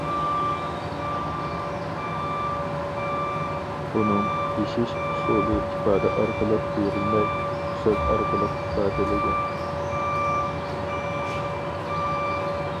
بۇنىڭ يېشىش ئۇسۇلى ئىپادە ئارقىلىق بېرىلمەي سۆز ئارقىلىق ئىپادىلىگەن.